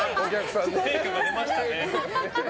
成果が出ましたね。